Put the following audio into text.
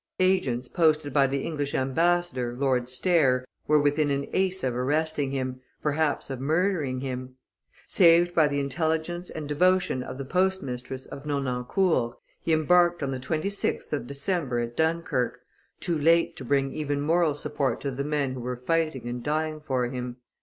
Agents, posted by the English ambassador, Lord Stair, were within an ace of arresting him, perhaps of murdering him. Saved by the intelligence and devotion of the post mistress of Nonancourt, he embarked on the 26th of December at Dunkerque, too late to bring even moral support to the men who were fighting and dying for him.